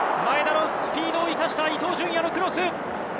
前田のスピードを生かした伊東純也のクロス！